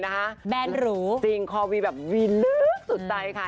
เห็นคอวีแบบวีลึกสุดใจค่ะ